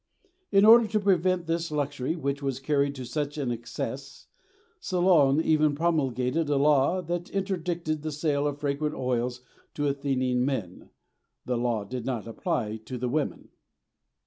In order to prevent this luxury which was carried to such an excess, Solon even promulgated a law that interdicted the sale of fragrant oils to Athenian men (the law did not apply to the women).